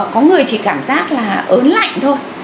có người chỉ cảm giác là ớn lạnh thôi